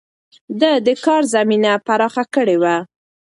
ده د کار زمينه پراخه کړې وه.